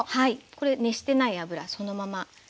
これ熱してない油そのまま。